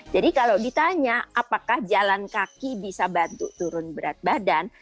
jadi kalau ditanya apakah jalan kaki bisa bantu turun berat badan